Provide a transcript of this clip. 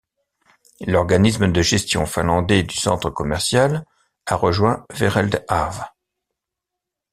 L'organisme de gestion finlandais du centre commercial a rejoint Wereldhave.